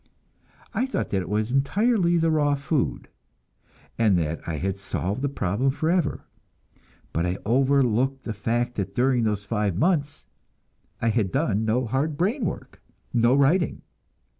I thought that it was entirely the raw food, and that I had solved the problem forever; but I overlooked the fact that during those five months I had done no hard brain work, no writing.